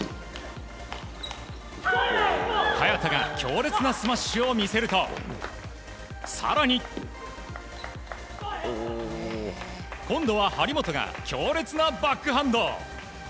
早田が強烈なスマッシュを見せると更に、今度は張本が強烈なバックハンド。